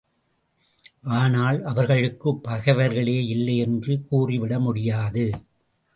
ஆனால், அவர்களுக்குப் பகைவர்களே இல்லை என்று கூறி விட முடியாது.